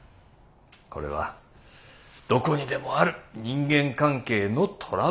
これはどこにでもある人間関係のトラブルですよ。